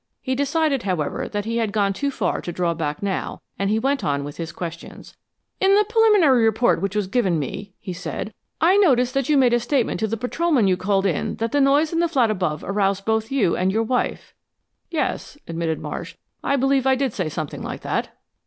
He decided, however, that he had gone too far to draw back now, and he went on with his questions. "In the preliminary report which was given me," he said, "I noticed that you made a statement to the patrolman you called in that the noise in the flat above aroused both you and your wife." "Yes," admitted Marsh. "I believe I did say something like that."